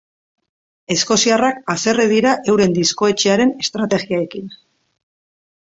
Eskoziarrak haserre dira euren diskoetxearen estrategiekin.